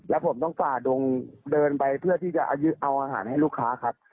แล้วผมต้องฝ่าดงเดินไปเพื่อที่จะเอาอาหารให้ลูกค้าครับ